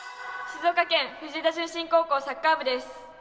静岡県藤枝順心高校、サッカー部です。